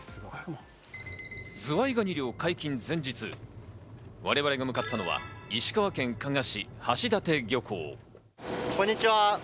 ズワイガニ漁、解禁前日、我々が向かったのは石川県加賀市橋立漁港。